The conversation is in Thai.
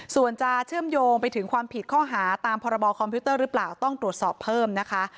ส่วนจะเชื่อมโยงไปถึงความผิดข้อหาตามพรบคอมพิวเตอร์หรือเปล่าต้องตรวจสอบเพิ่มนะคะ